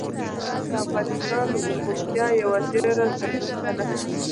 انار د افغانستان د زرغونتیا یوه ډېره څرګنده نښه ده.